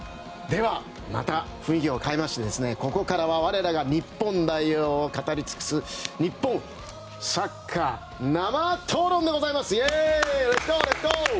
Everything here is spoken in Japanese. では、また雰囲気を変えましてここからは我らが日本代表を語りつくす日本サッカー生討論でございます。